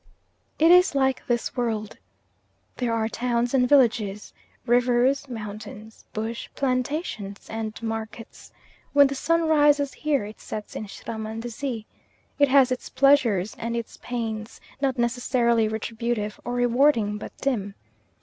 It is like this world. There are towns and villages, rivers, mountains, bush, plantations, and markets. When the sun rises here it sets in Srahmandazi. It has its pleasures and its pains, not necessarily retributive or rewarding, but dim.